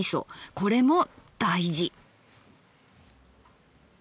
これも大事。